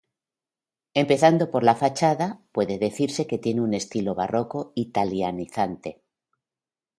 Empezando por la fachada, puede decirse que tiene un estilo barroco italianizante.